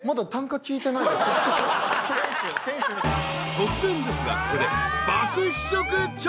［突然ですがここで］